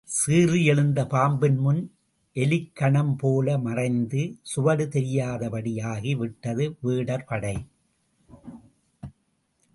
சீறி எழுந்த பாம்பின் முன் எலிக்கணம்போல மறைந்த சுவடு தெரியாதபடி ஆகி விட்டது வேடர் படை.